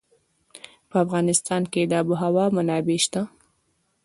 په افغانستان کې د آب وهوا منابع شته.